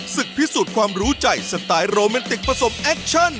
พิสูจน์ความรู้ใจสไตล์โรแมนติกผสมแอคชั่น